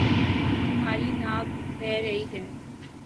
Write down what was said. تمہاری ناک بہ رہی ہے